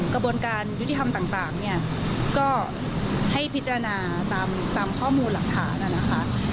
กระบวนการยุติธรรมต่างเนี่ยก็ให้พิจารณาตามข้อมูลหลักฐานนะคะ